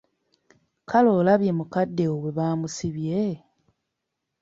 Kale olabye mukadde wo bwe baamusibye!